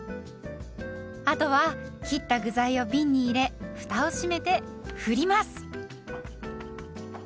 あとは切った具材をびんに入れふたを閉めて振ります。